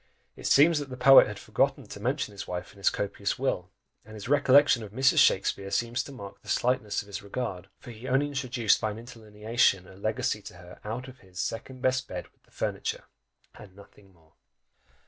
It seems that the poet had forgotten to mention his wife in his copious will; and his recollection of Mrs. Shakspeare seems to mark the slightness of his regard, for he only introduced by an interlineation, a legacy to her of his "second best bed with the furniture" and nothing more!